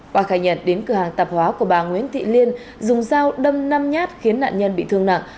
qua khai nhận đến cửa hàng tạp hóa của bà nguyễn thị liên dùng dao đâm năm nhát khiến nạn nhân bị thương nặng